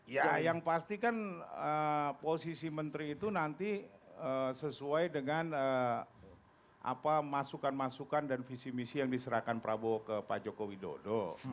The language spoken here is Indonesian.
ya yang pasti kan posisi menteri itu nanti sesuai dengan masukan masukan dan visi misi yang diserahkan prabowo ke pak joko widodo